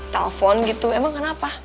telpon gitu emang kenapa